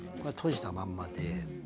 閉じたまんまで。